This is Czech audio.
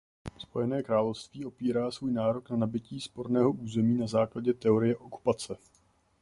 Spojené království opírá svůj nárok na nabytí sporného území na základě teorie okupace.